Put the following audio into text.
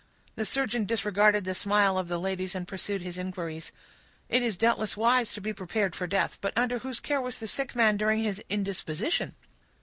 The surgeon disregarded the smile of the ladies, and pursued his inquiries. "It is doubtless wise to be prepared for death. But under whose care was the sick man during his indisposition?"